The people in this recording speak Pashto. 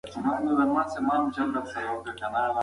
ایا هلک په دې پوهېږي چې انا ورڅخه بښنه غواړي؟